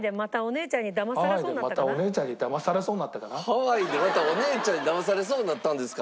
ハワイでまたお姉ちゃんにだまされそうになったんですか？